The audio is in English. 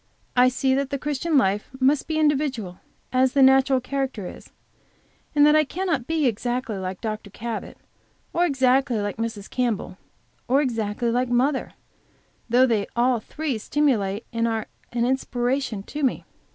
I see that the Christian life must be individual, as the natural character is and that I cannot be exactly like Dr. Cabot, or exactly like Mrs. Campbell, or exactly like mother, though they all three stimulate and are an inspiration to me.